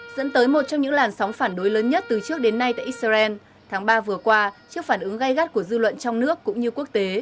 dẫn tới một trong những làn sóng phản đối lớn nhất từ trước đến nay tại israel tháng ba vừa qua trước phản ứng gây gắt của dư luận trong nước cũng như quốc tế